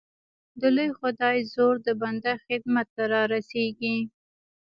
د لوی خدای زور د بنده خدمت ته را رسېږي.